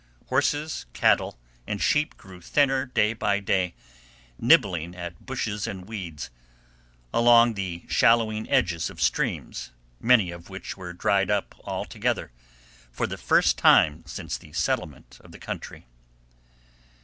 Horses, cattle, and sheep grew thinner day by day, nibbling at bushes and weeds, along the shallowing edges of streams, many of which were dried up altogether, for the first time since the settlement of the country.